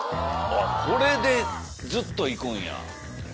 これでずっといくんやみたいな。